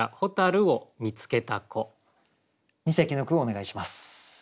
二席の句をお願いします。